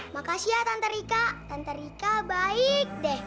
makasih ya tante rika tante rika baik deh